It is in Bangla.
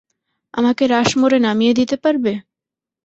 আমাকে রাশমোরে নামিয়ে দিতে পারবে?